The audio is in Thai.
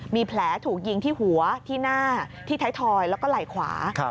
มีแผลถูกยิงที่หัวที่หน้าที่ไทยทอยแล้วก็ไหล่ขวา